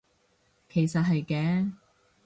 其實係嘅